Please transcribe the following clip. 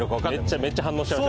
めっちゃ反応しちゃう。